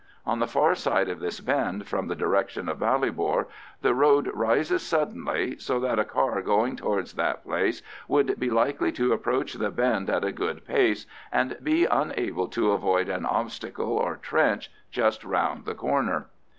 On the far side of this bend from the direction of Ballybor the road rises suddenly, so that a car going towards that place would be likely to approach the bend at a good pace, and be unable to avoid an obstacle or trench just round the corner.